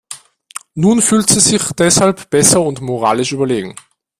Nun fühlt sie sich deshalb besser und moralisch überlegen.